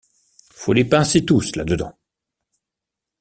Faut les pincer tous là-dedans!